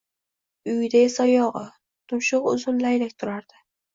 uyada esa oyog’i, tumshug’i uzun laylak turardi.